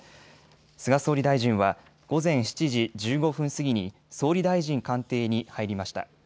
菅総理大臣は午前７時１５分過ぎに総理大臣官邸に入りました。